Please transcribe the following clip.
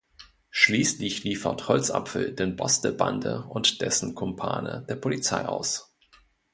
Schließlich liefert Holzapfel den Boss der Bande und dessen Kumpane der Polizei aus.